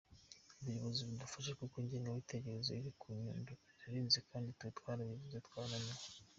Ubuyobozi budufashe kuko ingengabitekerezo iri ku Nyundo irarenze kandi twe twaravuze twarananiwe.